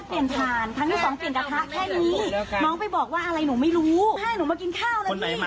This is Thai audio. พี่เติมเขามาอย่างนี้มันไม่ปกติแล้วอ่ะ